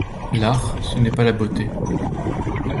L’art, c’est n’est pas la beauté.